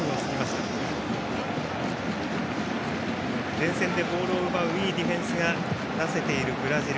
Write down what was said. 前線でボールを奪ういいディフェンスが出せているブラジル。